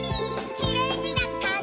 「きれいになったね」